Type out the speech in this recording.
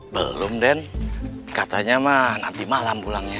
belum den katanya mah nanti malam pulangnya